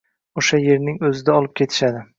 O`sha erning o`zida olib ketishadi